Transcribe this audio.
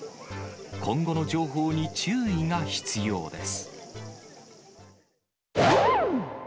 今後の情報に注意が必要です。